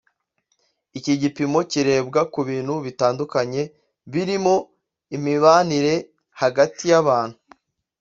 Iki gipimo kireberwa ku bintu bitandukanye birimo imibanire hagati y’abantu